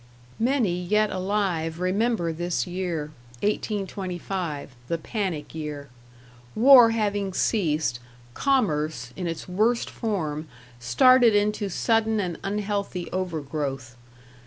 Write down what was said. Many yet alive remember this year 1825 the panic year. War having ceased, commerce, in its worst form, started into sudden and unhealthy overgrowth.